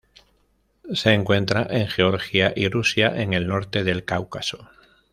Se encuentra en Georgia y Rusia en el norte del Cáucaso.